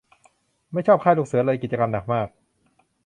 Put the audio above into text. ไม่ชอบค่ายลูกเสือเลย กิจกรรมหนักมาก